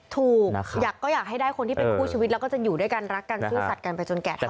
ถูกก็อยากให้ได้คนที่เป็นคู่ชีวิตแล้วก็จะอยู่ด้วยกันรักกันซื่อสัตว์กันไปจนแก่เท่า